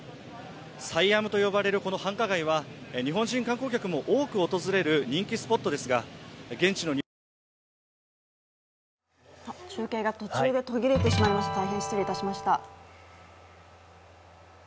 サイアムと呼ばれるこの繁華街は日本人観光客も多く訪れる人気スポットですが、現地の中継が途中で途切れてしまいました失礼しました